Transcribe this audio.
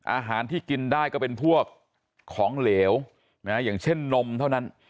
อาหารที่กินได้ก็เป็นพวกของเหลวอย่างเช่นนมเท่านั้น